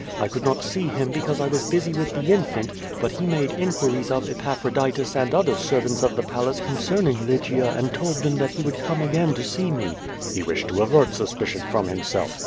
I could not see him because I was busy with the infant, but he made in quiries of Epaphroditus and other servants of the palace con cerning Lygia and told them he would come again to see me.^' "He wished to avert suspicion from himself.